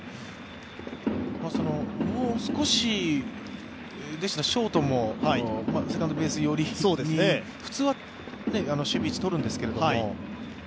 そのもう少しショートもセカンドベース寄りに普通は守備位置、取るんですけど。